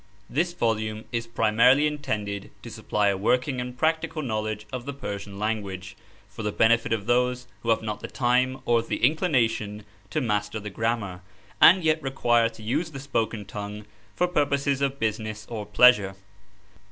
THIS volume is primarily intended to supply a working and practical knowledge of the Persian language, for the benefit of those who have not the time or the inclination to master the grammar, and yet require to use the spoken tongue for purposes of business or pleasure.